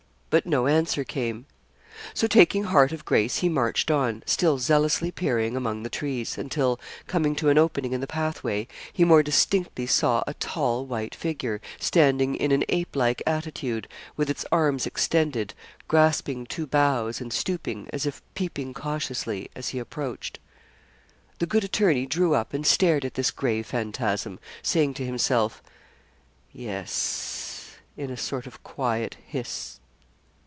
But no answer came. So, taking heart of grace, he marched on, still zealously peering among the trees, until, coming to an opening in the pathway, he more distinctly saw a tall, white figure, standing in an ape like attitude, with its arms extended, grasping two boughs, and stooping, as if peeping cautiously, as he approached. The good attorney drew up and stared at this gray phantasm, saying to himself, 'Yes,' in a sort of quiet hiss.